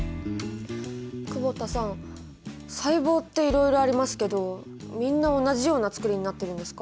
久保田さん細胞っていろいろありますけどみんな同じようなつくりになってるんですか？